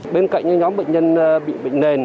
bên cạnh những nhóm bệnh nhân bị bệnh nền